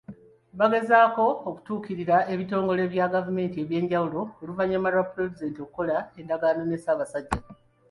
Bagezezzaako okutuukirira ebitongole bya gavumenti ebyenjawulo oluvannyuma lwa Pulezidenti okukola endagaano ne Ssaabasajja Kabaka.